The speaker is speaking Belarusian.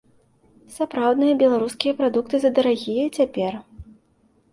Сапраўдныя беларускія прадукты задарагія цяпер.